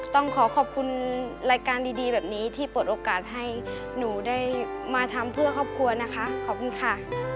ต้องขอขอบคุณรายการดีแบบนี้ที่เปิดโอกาสให้หนูได้มาทำเพื่อครอบครัวนะคะขอบคุณค่ะ